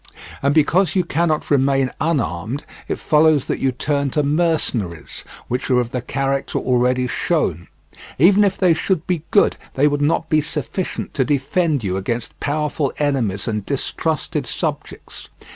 And because you cannot remain unarmed, it follows that you turn to mercenaries, which are of the character already shown; even if they should be good they would not be sufficient to defend you against powerful enemies and distrusted subjects.